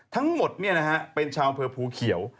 ทั้งหมดเป็นชาวอำเภอภูเขียว